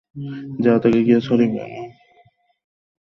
যাও তাকে গিয়ে সরি বলো।